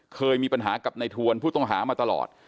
เคยมีปัญหากับในทวนผู้ต้องหามาตลอด